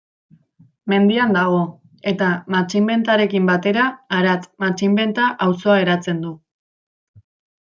Mendian dago, eta Matxinbentarekin batera Aratz-Matxinbenta auzoa eratzen du.